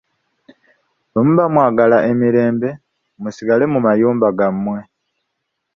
Bwe muba mwagala emirembe musigale mu mayumba gammwe.